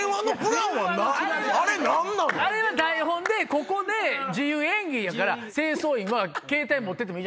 あれは台本でここで自由演技やから。